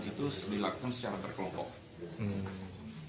itu dilakukan secara berkelompok